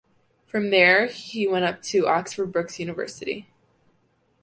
From there he went up to Oxford Brookes University.